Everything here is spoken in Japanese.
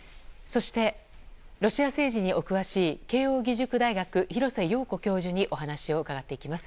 そしてロシア政治に詳しい慶應義塾大学廣瀬陽子教授にお話を伺っていきます。